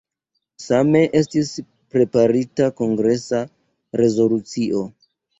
Same estis preparita kongresa rezolucio.